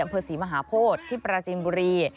อำเภอศรีมหาโพธิที่ปราจินบุรี